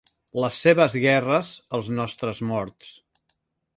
Les seves guerres, els nostres morts.